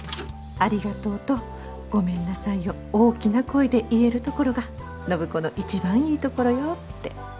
「ありがとう」と「ごめんなさい」を大きな声で言えるところが暢子の一番いいところよって。